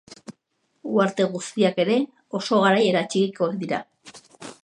Uharte guztiak ere oso garaiera txikikoak dira.